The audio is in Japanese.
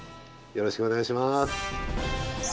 よろしくお願いします！